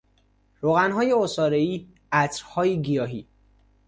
روغنهای عصارهای، عطرهای گیاهی